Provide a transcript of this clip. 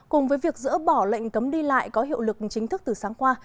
cùng với việc dỡ bỏ lệnh cấm đi lại có hiệu lực chính thức từ sáng qua